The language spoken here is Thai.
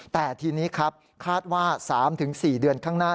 แต่ทีนี้ครับคาดว่า๓๔เดือนข้างหน้า